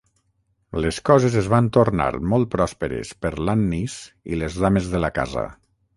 Les coses es van tornar molt pròsperes per l'Annis i les dames de la casa.